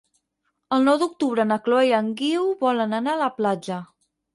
El nou d'octubre na Chloé i en Guiu volen anar a la platja.